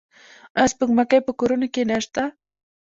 آیا سپوږمکۍ په کورونو کې نشته؟